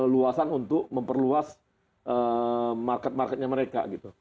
luasan untuk memperluas market marketnya mereka gitu